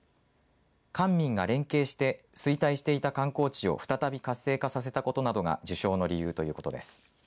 官民が連携して衰退していた観光地を再び活性化させたことなどが受賞の理由ということです。